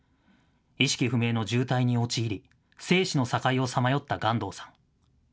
意識不明の重体に陥り、生死の境をさまよった巖洞さん。